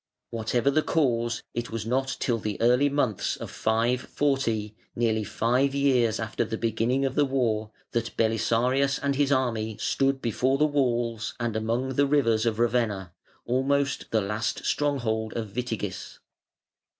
Whatever the cause, it was not till the early months of 540, nearly five years after the beginning of the war, that Belisarius and his army stood before the walls and among the rivers of Ravenna, almost the last stronghold of Witigis.